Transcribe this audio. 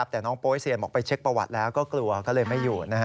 แต่น้องโป๊เซียนบอกไปเช็คประวัติแล้วก็กลัวก็เลยไม่อยู่